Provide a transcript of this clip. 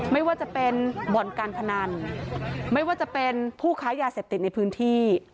ไม่ว่าจะเป็นบ่อนการพนันไม่ว่าจะเป็นผู้ค้ายาเสพติดในพื้นที่